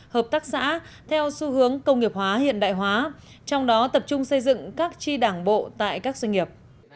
hợp tác xã theo xu hướng công nghiệp hóa hiện đại hóa trong đó tập trung xây dựng các tri đảng bộ tại các doanh nghiệp